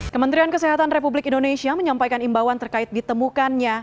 kementerian kesehatan republik indonesia menyampaikan imbauan terkait ditemukannya